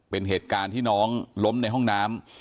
เป็นเหตุการณ์ที่น้องล้มในห้องน้ำ